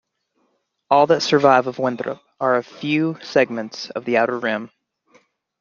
All that survives of Winthrop are a few segments of the outer rim.